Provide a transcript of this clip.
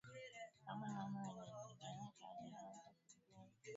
Kama ngombe wenye ndigana kali hawatatibiwa idadi ya vifo inaweza kuwa asilimia mia